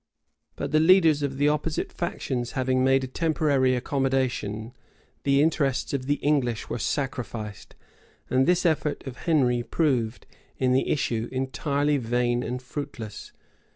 {1412.} But the leaders of the opposite factions having made a temporary accommodation, the interests of the English were sacrificed; and this effort of Henry proved, in the issue, entirely vain and fruitless.